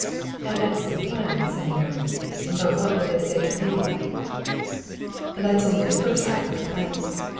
"An excellent plan, señor, but what will they say to me?" "That's only the first half of the plan.